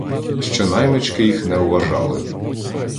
Що наймички їх не вважали